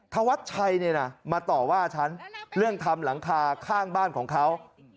ธวัชชัยเนี่ยนะมาต่อว่าฉันเรื่องทำหลังคาข้างบ้านของเขา